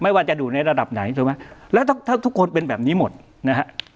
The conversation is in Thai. ว่าจะอยู่ในระดับไหนถูกไหมแล้วถ้าทุกคนเป็นแบบนี้หมดนะฮะ